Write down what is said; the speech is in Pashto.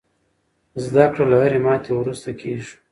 زده کړه له هرې ماتې وروسته کېږي.